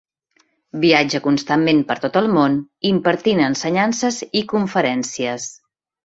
Viatja constantment per tot el món impartint ensenyances i conferències.